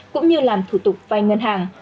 cũng như làm thủ tục vai ngân hàng